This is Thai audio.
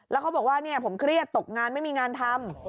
แล้วเขาบอกว่าผมเครียดตกงานไม่มีงานทำ